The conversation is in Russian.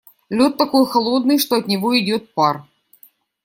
Лед такой холодный, что от него идёт пар.